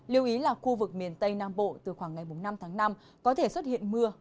liêu ý là khu vực miền tây nam bộ từ khoảng ngày bốn tháng năm có thể xuất hiện mưa mưa rào nhẹn